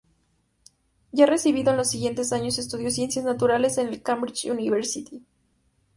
Ya recibido, en los siguientes años, estudió Ciencias naturales en la Cambridge University.